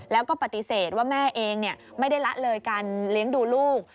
แล้วก็ปฏิเสธว่าแม่เองไม่ได้ละเลยการเลี้ยงดูลูก